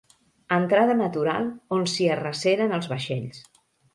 Entrada natural on s'hi arreceren els vaixells.